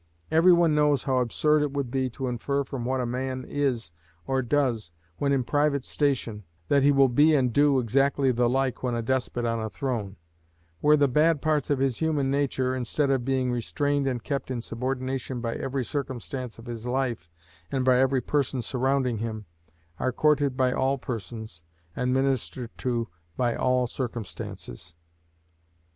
Every one knows how absurd it would be to infer from what a man is or does when in a private station, that he will be and do exactly the like when a despot on a throne; where the bad parts of his human nature, instead of being restrained and kept in subordination by every circumstance of his life and by every person surrounding him, are courted by all persons, and ministered to by all circumstances.